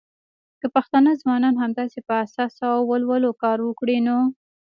که پښتانه ځوانان همداسې په احساس او ولولو کار وکړی نو